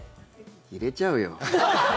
入れちゃうよ。